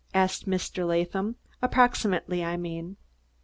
asked Mr. Latham. "Approximately, I mean?"